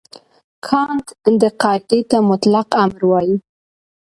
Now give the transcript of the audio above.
کانټ دې قاعدې ته مطلق امر وايي.